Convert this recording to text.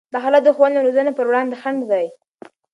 دا حالت د ښوونې او روزنې پر وړاندې خنډ دی.